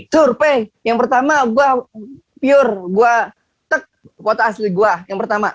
survey yang pertama gua pure gua tek foto asli gua yang pertama